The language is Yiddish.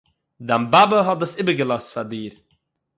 דיין באַבע האָט דאָס איבערגעלאָזט פאַר דיר